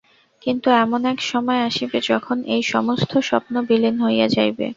কিন্তু এমন এক সময় আসিবে, যখন এই সমস্ত স্বপ্ন বিলীন হইয়া যাইবে।